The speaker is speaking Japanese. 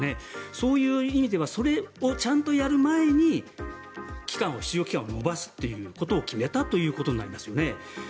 そういう意味ではそれをちゃんとやる前に使用期間を延ばすということを決めたということになりますよね。